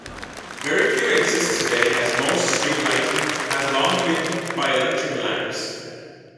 Very few exist today as most street lighting has long been by electric lamps.